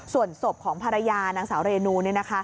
ส่วนศพของภรรยานางสาวเรนู